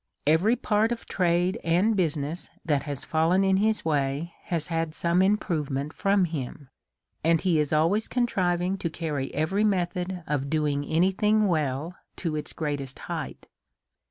Every part of trade and business that has fallen in his way has had some improvement from him ; and he is always contriving to carry every method of doing any thing well to its great est height.